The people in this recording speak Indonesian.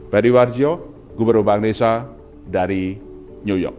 padiwadzio gubernur bang nisa dari new york